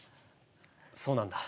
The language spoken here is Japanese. そうなんだ。